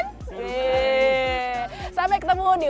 yeay sampai ketemu di